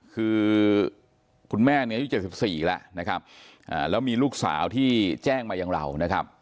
คือคุณแม่เนี่ยอายุ๗๔แล้วนะครับแล้วมีลูกสาวที่แจ้งมาอย่างเรานะครับ